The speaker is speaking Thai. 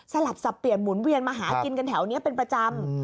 สลับสับเปลี่ยนหมุนเวียนมาหากินกันแถวนี้เป็นประจำ